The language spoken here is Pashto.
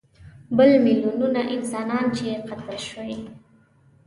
بل میلیونونه انسانان چې قتل شوي.